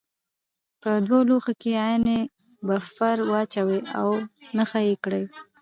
په دوه لوښو کې عین بفر واچوئ او نښه یې کړئ.